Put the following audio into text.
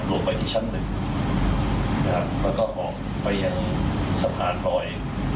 ลงไปที่ชั้นหนึ่งนะครับแล้วก็ออกไปยังสะพานลอย